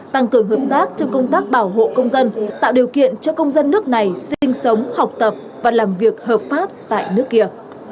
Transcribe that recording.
tăng cường hợp tác trong công tác bảo hộ công dân tạo điều kiện cho công dân nước này sinh sống học tập và làm việc hợp pháp tại nước kia